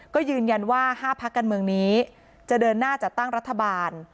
ก็ยืนยันว่า๕พักการเมืองนี้จะเดินหน้าจัดตั้งรัฐบาล